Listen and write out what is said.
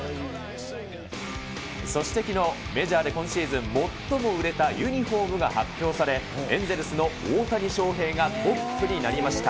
そしてきのう、メジャーで今シーズン最も売れたユニホームが発表され、エンゼルスの大谷翔平がトップになりました。